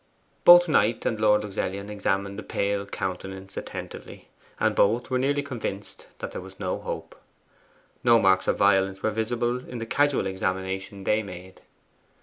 Both Knight and Lord Luxellian examined the pale countenance attentively, and both were nearly convinced that there was no hope. No marks of violence were visible in the casual examination they made.